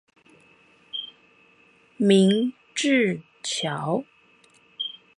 明治橋